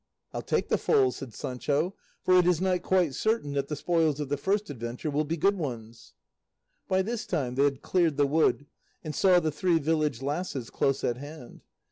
"I'll take the foals," said Sancho; "for it is not quite certain that the spoils of the first adventure will be good ones." By this time they had cleared the wood, and saw the three village lasses close at hand.